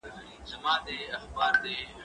زه د کتابتون پاکوالی کړی دی!؟